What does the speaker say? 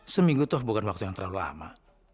seminggu toh bukan waktu yang terlalu lama